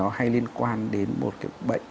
nó hay liên quan đến một cái bệnh